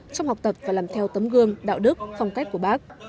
trong học tập và làm theo tấm gương đạo đức phong cách của bác